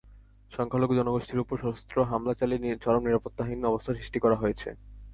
সংখ্যালঘু জনগোষ্ঠীর ওপর সশস্ত্র হামলা চালিয়ে চরম নিরাপত্তাহীন অবস্থা সৃষ্টি করা হয়েছে।